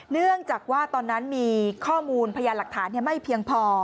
เนื่องจากว่าตอนนั้นมีข้อมูลพยานหลักฐานไม่เพียงพอ